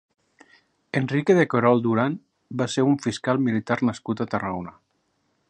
Enrique de Querol Duran va ser un fiscal militar nascut a Tarragona.